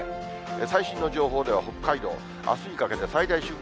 最新の情報では北海道、あすにかけて最大瞬間